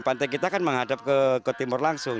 pantai kita kan menghadap ke timur langsung